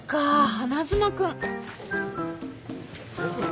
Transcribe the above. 花妻君。